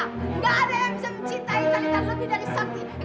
nggak ada yang bisa mencintai talitha lebih dari saki